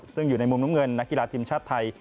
ซึ่งอยู่ในมุมน้ำเงินนักกีฬาทีมชาติไทย